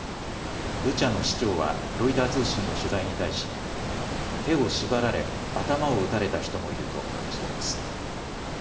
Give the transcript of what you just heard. ブチャの市長はロイター通信の取材に対し手を縛られ頭を撃たれた人もいると話しています。